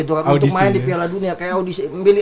untuk main di piala dunia kayak audisi